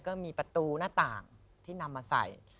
ก็มีประตูหน้าต่างที่นำมาใส่